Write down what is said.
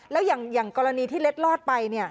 แล้วอย่างกรณีที่เล็ดลอดไปเนี่ย